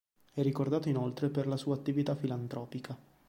È ricordato inoltre per la sua attività filantropica.